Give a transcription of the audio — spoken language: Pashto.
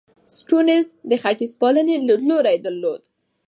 سټيونز د ختیځپالنې لیدلوری درلود.